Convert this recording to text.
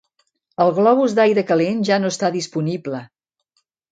El globus d'aire calent ja no està disponible.